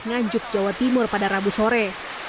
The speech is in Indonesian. nganjuk jawa timur pada rabu sore